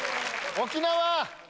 沖縄！